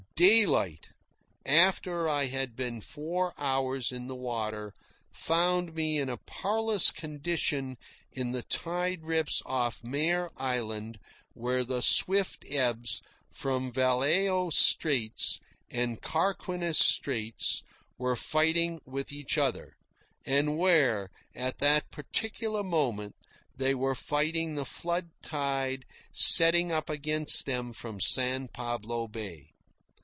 Daylight, after I had been four hours in the water, found me in a parlous condition in the tide rips off Mare Island light, where the swift ebbs from Vallejo Straits and Carquinez Straits were fighting with each other, and where, at that particular moment, they were fighting the flood tide setting up against them from San Pablo Bay.